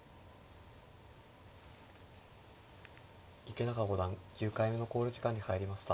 池永五段９回目の考慮時間に入りました。